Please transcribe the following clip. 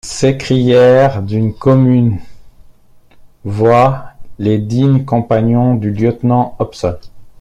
s’écrièrent d’une commune voix les dignes compagnons du lieutenant Hobson.